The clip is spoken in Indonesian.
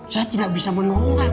saya tidak bisa menolak